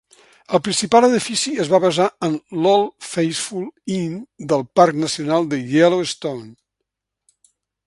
El principal edifici es va basar en el Old Faithful Inn del Parc Nacional de Yellowstone.